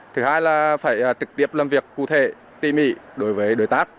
thứ hai là phải trực tiếp làm việc cụ thể tỉ mỉ đối với đối tác